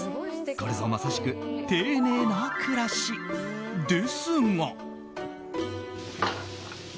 これぞまさしく丁寧な暮らしですが。